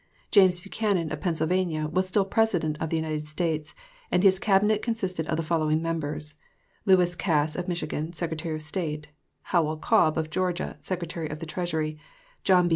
James Buchanan, of Pennsylvania, was still President of the United States, and his Cabinet consisted of the following members: Lewis Cass, of Michigan, Secretary of State; Howell Cobb, of Georgia, Secretary of the Treasury; John B.